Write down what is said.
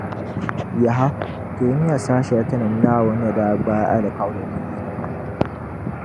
Yaha! Teemi ya saha shεli Tinim’ Naawuni ni daa gbaai alikauli ni yinima.